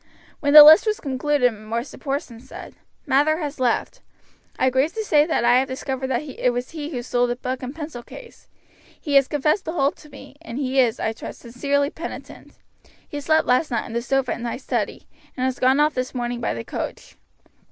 When the list was concluded Mr. Porson said: "Mather has left; I grieve to say that I have discovered that it was he who stole the book and pencil case. He has confessed the whole to me, and he is, I trust, sincerely penitent. He slept last night on the sofa in my study, and has gone off this morning by the coach.